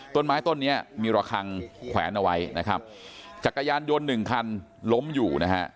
ต้นไม้ต้นนี้มีระคังแขวนเอาไว้จักรยานยนต์๑คันล้มอยู่